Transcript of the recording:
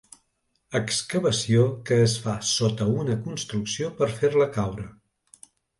Excavació que es fa sota una construcció per fer-la caure.